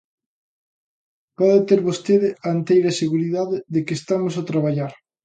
Pode ter vostede a enteira seguridade de que estamos a traballar.